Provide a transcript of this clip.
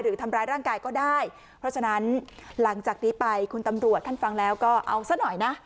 หรือทำร้ายร่างกายก็ได้เพราะฉะนั้นหลังจากนี้ไปคุณตำรวจท่านฟังแล้วก็เอาซะหน่อยนะ